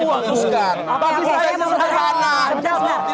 bagi saya memang sederhana